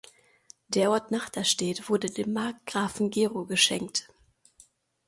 Der Ort Nachterstedt wurde dem Markgrafen Gero geschenkt.